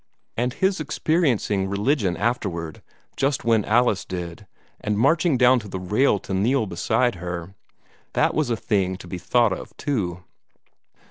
And his experiencing religion afterward, just when Alice did, and marching down to the rail to kneel beside her that was a thing to be thought of, too.